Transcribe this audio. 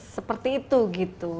seperti itu gitu